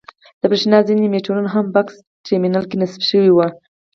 د برېښنا ځینې مېټرونه هم په بکس ټرمینل کې نصب شوي وي.